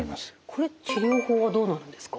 これ治療法はどうなるんですか？